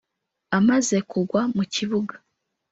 Amaze kugwa mu kibuga